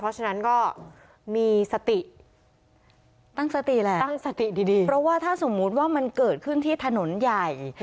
เพราะฉะนั้นก็มีสติตั้งสติแหละตั้งสติดีเพราะว่าถ้าสมมุติว่ามันเกิดขึ้นที่ถนนใหญ่